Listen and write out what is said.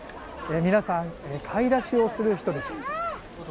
皆さん、買い出しをする人です。